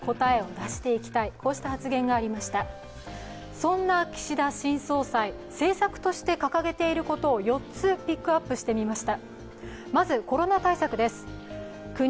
そんな岸田新総裁、政策として掲げていることを４つピックアップしてみました。